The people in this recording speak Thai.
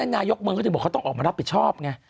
นายกเมืองเขาถึงบอกเขาต้องออกมารับผิดชอบไง